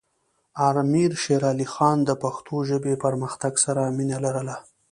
امیر شیر علی خان د پښتو ژبې پرمختګ سره مینه لرله.